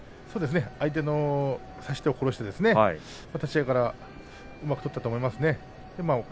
相手の差し手を殺して立ち合いからうまく取ったと思いますね。